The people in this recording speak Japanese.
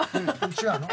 違うの？